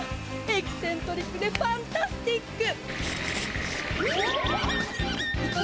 エキセントリックでファンタスティック！